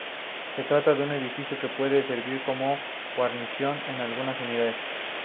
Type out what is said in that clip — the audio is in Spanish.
Se trata de un edificio que puede servir como guarnición en algunas unidades.